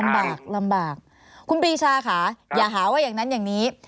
ลำบากลำบากคุณปรีชาค่ะอย่าหาว่าอย่างนั้นอย่างนี้